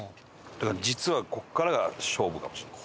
だから実はここからが勝負かもしれない。